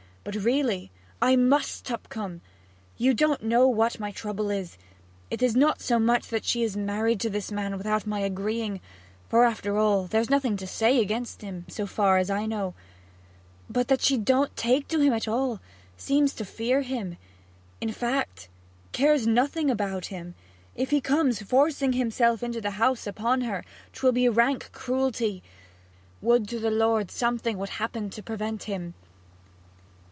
But really ' 'I must, Tupcombe! You don't know what my trouble is; it is not so much that she is married to this man without my agreeing for, after all, there's nothing to say against him, so far as I know; but that she don't take to him at all, seems to fear him in fact, cares nothing about him; and if he comes forcing himself into the house upon her, why, 'twill be rank cruelty. Would to the Lord something would happen to prevent him!'